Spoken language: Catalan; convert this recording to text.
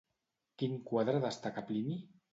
Quin quadre destaca Plini?